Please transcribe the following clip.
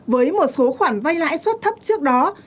với một số khoản vay lãi suất thấp trước đó